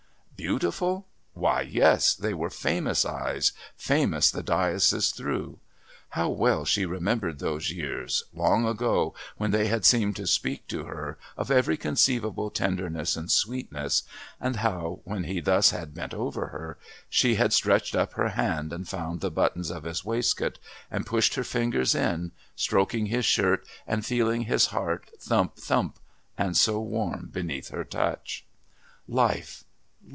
Beautiful! Why, yes, they were famous eyes, famous the diocese through. How well she remembered those years, long ago, when they had seemed to speak to her of every conceivable tenderness and sweetness, and how, when he thus had bent over her, she had stretched up her hand and found the buttons of his waistcoat and pushed her fingers in, stroking his shirt and feeling his heart thump, thump, and so warm beneath her touch. Life!